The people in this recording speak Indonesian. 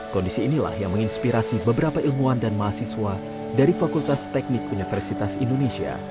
kondisi inilah yang menginspirasi beberapa ilmuwan dan mahasiswa dari fakultas teknik universitas indonesia